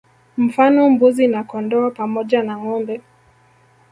Mfano Mbuzi na Kondoo pamoja na Ngombe